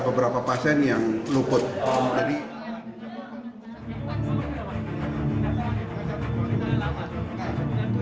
beberapa pasien yang luput jadi hai